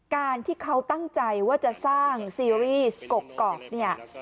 การที่เขาตั้งใจว่าจะสร้างซีรีส์กกอกเนี่ย